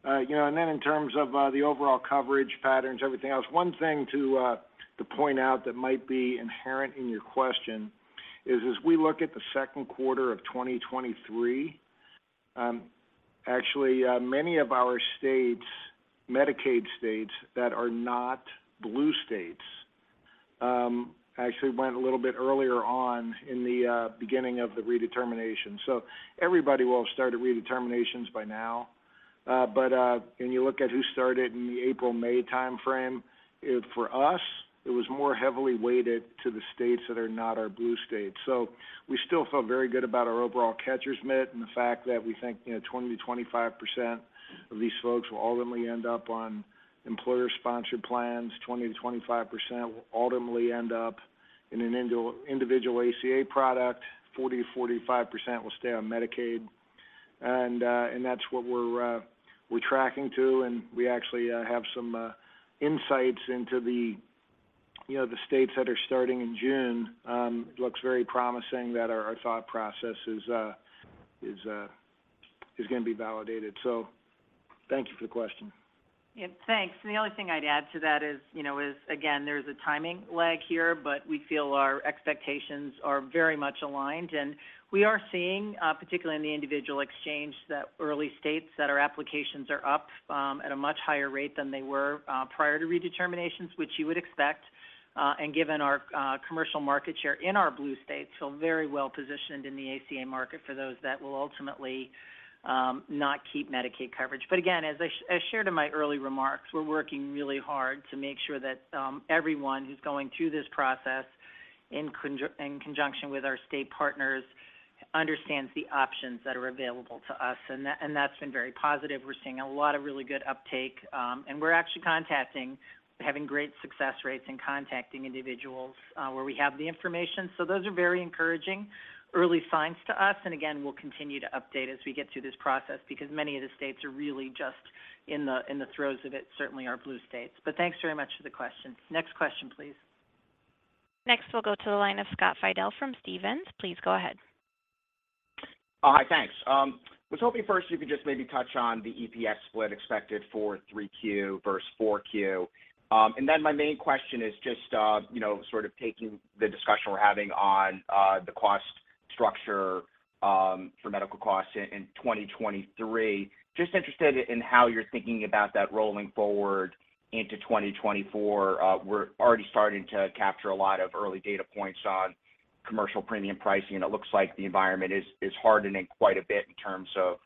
You know, in terms of the overall coverage patterns, everything else, one thing to point out that might be inherent in your question is, as we look at the second quarter of 2023, actually, many of our states, Medicaid states that are not Blue states, actually went a little bit earlier on in the beginning of the redetermination. Everybody will have started redeterminations by now. When you look at who started in the April-May timeframe, for us, it was more heavily weighted to the states that are not our Blue states. We still feel very good about our overall catcher's mitt and the fact that we think, you know, 20%-25% of these folks will ultimately end up on employer-sponsored plans, 20%-25% will ultimately end up in an individual ACA product, 40%-45% will stay on Medicaid. That's what we're tracking to, and we actually have some insights into the, you know, the states that are starting in June. It looks very promising that our thought process is going to be validated. Thank you for the question.
The only thing I'd add to that is, you know, again, there's a timing lag here, but we feel our expectations are very much aligned, and we are seeing, particularly in the individual exchange, that early states that our applications are up at a much higher rate than they were prior to redeterminations, which you would expect, and given our commercial market share in our Blue states, feel very well positioned in the ACA market for those that will ultimately not keep Medicaid coverage. Again, as shared in my early remarks, we're working really hard to make sure that everyone who's going through this process in conjunction with our state partners, understands the options that are available to us, and that, and that's been very positive. We're seeing a lot of really good uptake, and we're actually contacting, having great success rates and contacting individuals, where we have the information. Those are very encouraging early signs to us. Again, we'll continue to update as we get through this process because many of the states are really just in the throes of it, certainly our Blue states. Thanks very much for the question. Next question, please.
Next, we'll go to the line of Scott Fidel from Stephens. Please go ahead.
Hi, thanks. was hoping first you could just maybe touch on the EPS split expected for 3Q versus 4Q. Then my main question is just, you know, sort of taking the discussion we're having on the cost structure for medical costs in 2023. Just interested in how you're thinking about that rolling forward into 2024. We're already starting to capture a lot of early data points on commercial premium pricing, and it looks like the environment is hardening quite a bit in terms of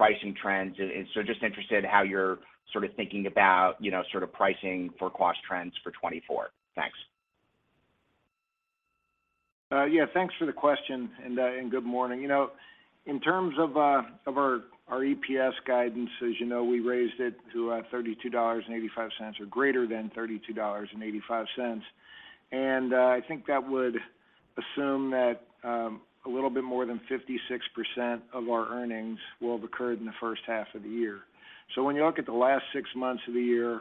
pricing trends. Just interested in how you're sort of thinking about, you know, sort of pricing for cost trends for 2024. Thanks.
Yeah, thanks for the question, and good morning. You know, in terms of our EPS guidance, as you know, we raised it to $32.85, or greater than $32.85. I think that would assume that a little bit more than 56% of our earnings will have occurred in the first half of the year. When you look at the last six months of the year,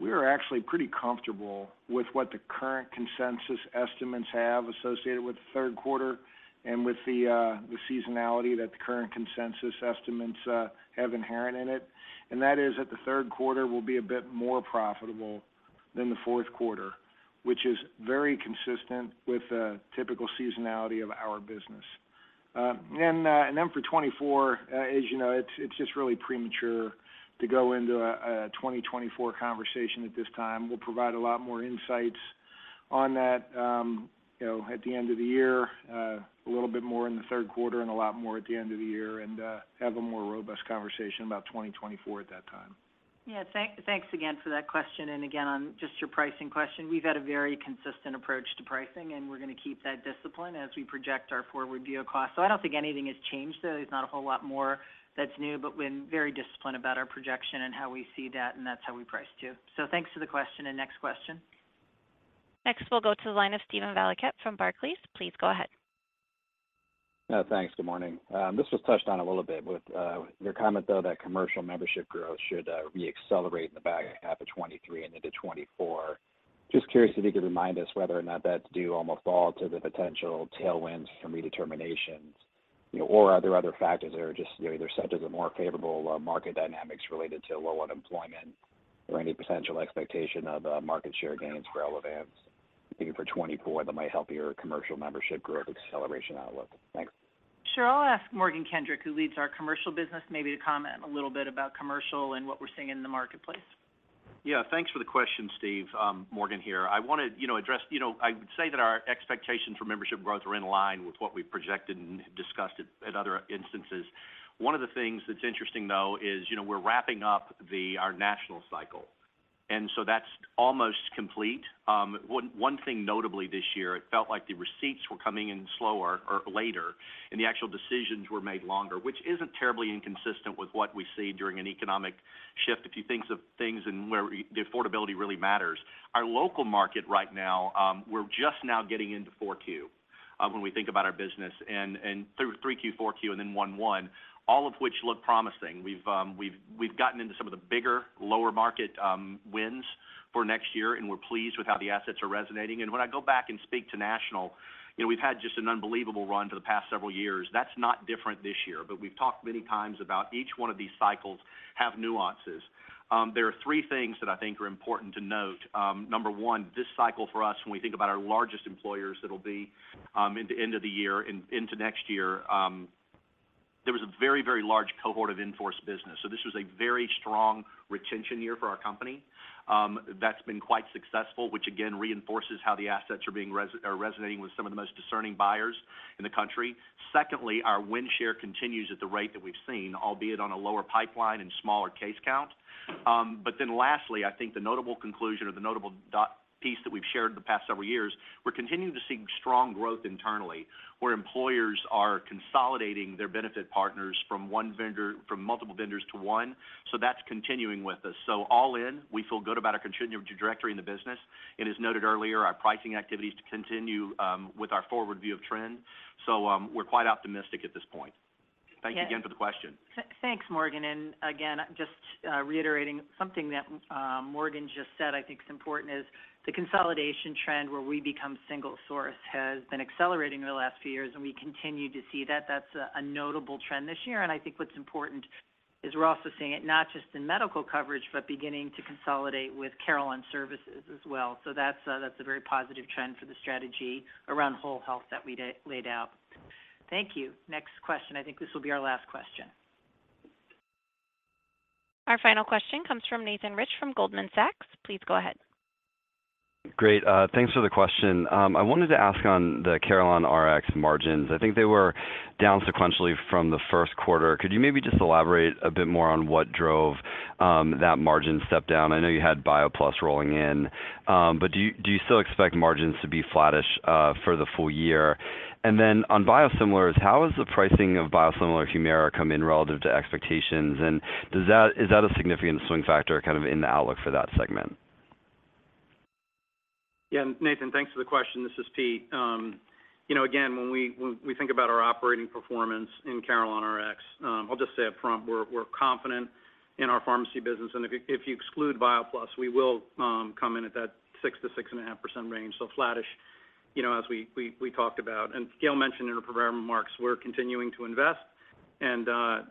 we are actually pretty comfortable with what the current consensus estimates have associated with the third quarter and with the seasonality that the current consensus estimates have inherent in it. That is that the third quarter will be a bit more profitable than the fourth quarter, which is very consistent with the typical seasonality of our business. For 2024, as you know, it's just really premature to go into a 2024 conversation at this time. We'll provide a lot more insights on that, you know, at the end of the year, a little bit more in the third quarter and a lot more at the end of the year, and have a more robust conversation about 2024 at that time.
Yeah. Thanks again for that question. Again, on just your pricing question, we've had a very consistent approach to pricing, and we're going to keep that discipline as we project our forward view costs. I don't think anything has changed, though. There's not a whole lot more that's new, but we're very disciplined about our projection and how we see that, and that's how we price, too. Thanks to the question, and next question.
Next, we'll go to the line of Steven Valiquette from Barclays. Please go ahead.
Thanks. Good morning. This was touched on a little bit with your comment, though, that commercial membership growth should reaccelerate in the back half of 2023 and into 2024. Just curious if you could remind us whether or not that's due almost all to the potential tailwinds from redeterminations, you know, or are there other factors that are just, you know, either such as a more favorable market dynamics related to low unemployment or any potential expectation of market share gains for Elevance Health, maybe for 2024, that might help your commercial membership growth acceleration outlook? Thanks.
Sure. I'll ask Morgan Kendrick, who leads our commercial business, maybe to comment a little bit about commercial and what we're seeing in the marketplace.
Yeah, thanks for the question, Steve. Morgan here, I want to, you know, address. You know, I would say that our expectations for membership growth are in line with what we've projected and discussed at other instances. One of the things that's interesting, though, is, you know, we're wrapping up our national cycle. That's almost complete. One thing notably this year, it felt like the receipts were coming in slower or later, and the actual decisions were made longer, which isn't terribly inconsistent with what we see during an economic shift. If you think of things and where the affordability really matters. Our local market right now, we're just now getting into 4Q, when we think about our business and through 3Q, 4Q, and then one, all of which look promising. We've gotten into some of the bigger, lower market wins for next year, we're pleased with how the assets are resonating. When I go back and speak to national, you know, we've had just an unbelievable run for the past several years. That's not different this year, we've talked many times about each one of these cycles have nuances. There are three things that I think are important to note. Number One, this cycle for us, when we think about our largest employers, it'll be into end of the year and into next year. There was a very, very large cohort of in-force business, this was a very strong retention year for our company. That's been quite successful, which again, reinforces how the assets are resonating with some of the most discerning buyers in the country. Secondly, our win share continues at the rate that we've seen, albeit on a lower pipeline and smaller case count. Lastly, I think the notable conclusion or the notable dot piece that we've shared in the past several years, we're continuing to see strong growth internally, where employers are consolidating their benefit partners from multiple vendors to one. That's continuing with us. All in, we feel good about our continued trajectory in the business. As noted earlier, our pricing activities to continue with our forward view of trend. We're quite optimistic at this point. Thank you again for the question.
Thanks, Morgan. Again, just reiterating something that Morgan just said, I think is important is the consolidation trend, where we become single source, has been accelerating over the last few years, and we continue to see that. That's a notable trend this year. I think what's important is we're also seeing it not just in medical coverage, but beginning to consolidate with Carelon Services as well. That's a very positive trend for the strategy around whole health that we laid out. Thank you. Next question. I think this will be our last question.
Our final question comes from Nathan Rich, from Goldman Sachs. Please go ahead.
Great, thanks for the question. I wanted to ask on the CarelonRx margins, I think they were down sequentially from the first quarter. Could you maybe just elaborate a bit more on what drove that margin step down? I know you had BioPlus rolling in, but do you still expect margins to be flattish for the full year? On biosimilars, how is the pricing of biosimilar HUMIRA come in relative to expectations? Is that a significant swing factor, kind of in the outlook for that segment?
Yeah, Nathan, thanks for the question. This is Pete. You know, again, when we think about our operating performance in CarelonRx, I'll just say up front, we're confident in our pharmacy business, and if you exclude BioPlus, we will come in at that 6%-6.5% range. Flattish, you know, as we talked about. Gail mentioned in her remarks, we're continuing to invest in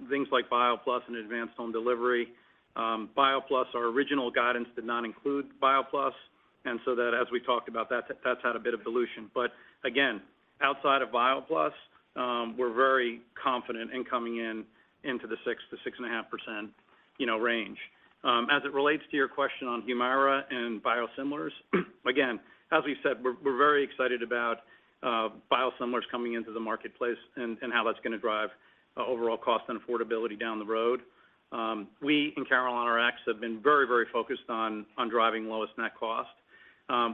things like BioPlus and advanced home delivery. BioPlus, our original guidance did not include BioPlus, that, as we talked about, that's had a bit of dilution. Again, outside of BioPlus, we're very confident in coming into the 6%-6.5%, you know, range. As it relates to your question on HUMIRA and biosimilars, again, as we said, we're very excited about biosimilars coming into the marketplace and how that's going to drive overall cost and affordability down the road. We in CarelonRx have been very focused on driving lowest net cost.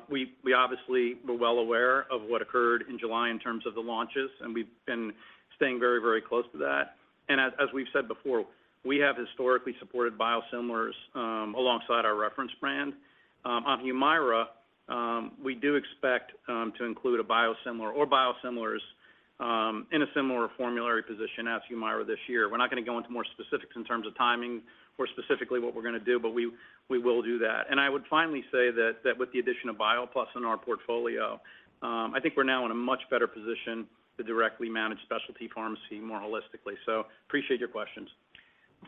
We obviously were well aware of what occurred in July in terms of the launches, and we've been staying very close to that. As we've said before, we have historically supported biosimilars alongside our reference brand. On HUMIRA, we do expect to include a biosimilar or biosimilars in a similar formulary position as HUMIRA this year. We're not going to go into more specifics in terms of timing or specifically what we're going to do, but we will do that. I would finally say that with the addition of BioPlus in our portfolio, I think we're now in a much better position to directly manage specialty pharmacy more holistically. Appreciate your questions.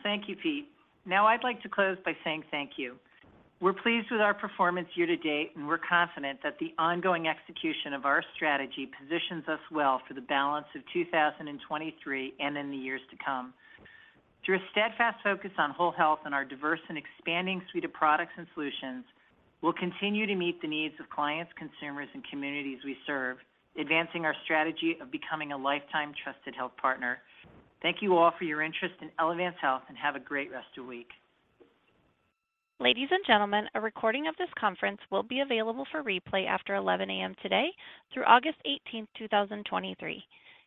Thank you, Pete. I'd like to close by saying thank you. We're pleased with our performance year to date, and we're confident that the ongoing execution of our strategy positions us well for the balance of 2023 and in the years to come. Through a steadfast focus on whole health and our diverse and expanding suite of products and solutions, we'll continue to meet the needs of clients, consumers, and communities we serve, advancing our strategy of becoming a lifetime trusted health partner. Thank you all for your interest in Elevance Health, and have a great rest of week.
Ladies and gentlemen, a recording of this conference will be available for replay after 11:00 A.M. today through August 18, 2023.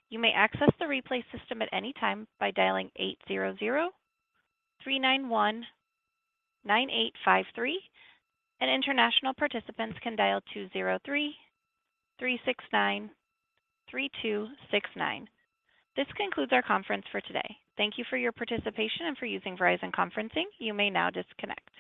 You may access the replay system at any time by dialing 800-391-9853, and international participants can dial 203-369-3269. This concludes our conference for today. Thank you for your participation and fo r using Verizon conferencing. You may now disconnect.